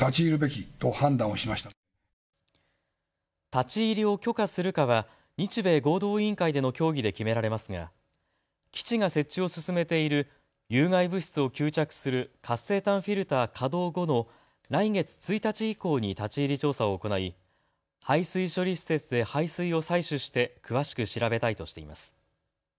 立ち入りを許可するかは日米合同委員会での協議で決められますが基地が設置を進めている有害物質を吸着する活性炭フィルター稼働後の来月１日以降に立ち入り調査を行い、排水処理施設で排水を採取して詳しく調べたいとしています。